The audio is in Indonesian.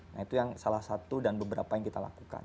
nah itu yang salah satu dan beberapa yang kita lakukan